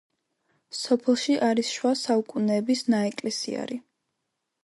სოფელში არის შუა საუკუნეების ნაეკლესიარი.